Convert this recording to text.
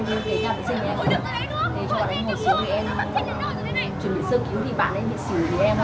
thành niên ở ngôi sao xe đấy quay lại chửi